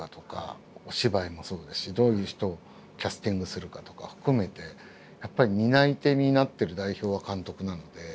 お芝居もそうだしどういう人をキャスティングするかとか含めてやっぱり担い手になってる代表は監督なので。